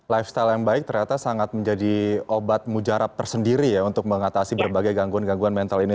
lifestyle yang baik ternyata sangat menjadi obat mujarab tersendiri ya untuk mengatasi berbagai gangguan gangguan mental ini